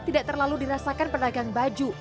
tidak terlalu dirasakan pedagang baju